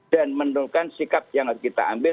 dan menurutkan sikap yang harus kita ambil